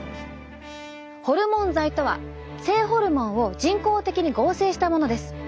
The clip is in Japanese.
ホルモン剤とは性ホルモンを人工的に合成したものです。